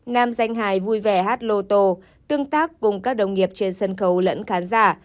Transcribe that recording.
nam danh hài vui vẻ hát lô tô tương tác cùng các đồng nghiệp trên sân khấu lẫn khán giả